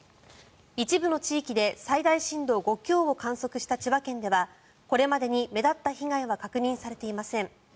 一部の地域で最大震度５強を観測した千葉県ではこれまでに目立った被害は確認されていません。